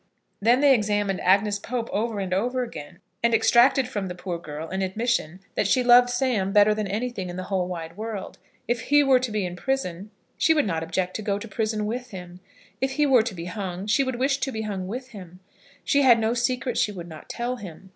Then they examined Agnes Pope over and over again, and extracted from the poor girl an admission that she loved Sam better than anything in the whole wide world. If he were to be in prison, she would not object to go to prison with him. If he were to be hung, she would wish to be hung with him. She had no secret she would not tell him.